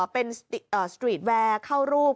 เป็นสตรีทแวร์เข้ารูป